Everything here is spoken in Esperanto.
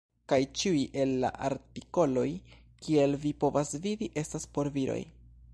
Kaj ĉiuj el la artikoloj, kiel vi povas vidi, estas por viroj.